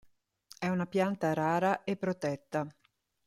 È una pianta rara e protetta.